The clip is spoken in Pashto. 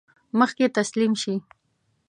مخکې تسلیم شي.